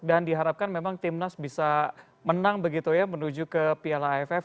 dan diharapkan memang tim nas bisa menang begitu ya menuju ke piala aff